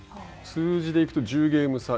数字で行くと１０ゲーム差。